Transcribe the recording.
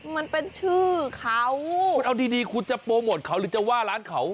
มันเป็นชื่อเขาคุณเอาดีดีคุณจะโปรโมทเขาหรือจะว่าร้านเขา